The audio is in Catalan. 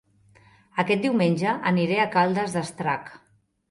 Aquest diumenge aniré a Caldes d'Estrac